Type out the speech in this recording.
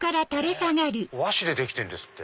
和紙でできてんですって。